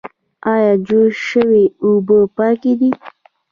ایا جوش شوې اوبه پاکې دي؟